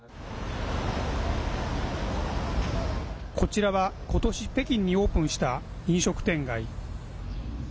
こちらは、ことし北京にオープンした飲食店街。